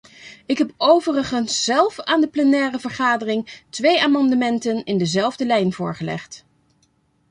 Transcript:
Ik heb overigens zelf aan de plenaire vergadering twee amendementen in dezelfde lijn voorgelegd.